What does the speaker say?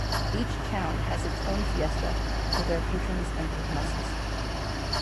Each town has its own fiesta for their patrons and patronesses.